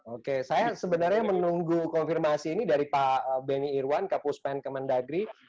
oke saya sebenarnya menunggu konfirmasi ini dari pak beni irwan kapus pen kemendagri